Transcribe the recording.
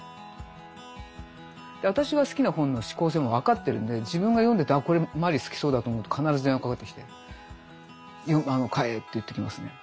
私が好きな本の嗜好性も分かってるんで自分が読んでて「あこれマリ好きそうだ」と思うと必ず電話かかってきて買えって言ってきますね。